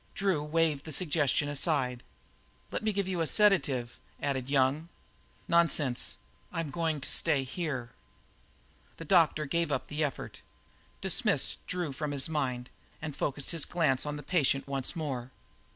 Drew waved the suggestion aside. "Let me give you a sedative," added Young. "Nonsense. I'm going to stay here." The doctor gave up the effort; dismissed Drew from his mind, and focused his glance on the patient once more.